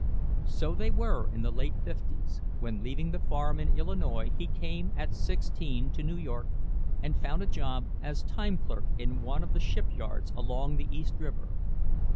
So they were in the late Fifties, when leaving the farm in Illinois he came at sixteen to New York and found a job as time clerk in one of the ship yards along the East River.